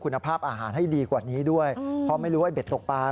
คุณภาพอาหารให้ดีกว่านี้ด้วยเพราะไม่รู้ว่าไอเบ็ดตกปลา